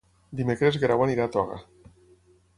Dimecres en Guerau anirà a Toga.